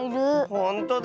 ほんとだ！